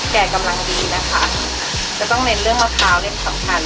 แก่กำลังดีนะคะจะต้องเน้นเรื่องมะพร้าวเล่นสำคัญ